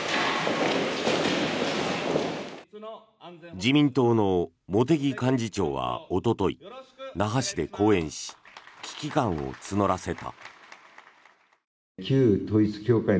自民党の茂木幹事長はおととい那覇市で講演し危機感を募らせた。